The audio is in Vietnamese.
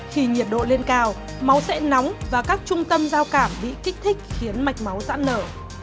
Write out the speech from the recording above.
khi nhiệt độ lên cao máu sẽ nóng và các trung tâm giao cảm bị kích thích khiến mạch máu giãn nở